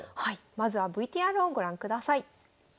まずはＶＴＲをご覧ください。